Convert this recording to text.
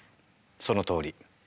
そのとおり。